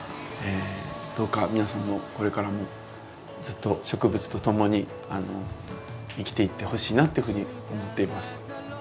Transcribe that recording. えどうか皆さんもこれからもずっと植物とともに生きていってほしいなっていうふうに思っています。